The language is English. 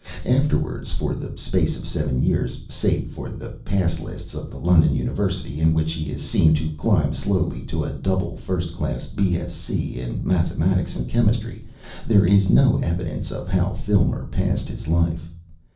Afterwards, for the space of seven years, save for the pass lists of the London University, in which he is seen to climb slowly to a double first class B.Sc., in mathematics and chemistry, there is no evidence of how Filmer passed his life.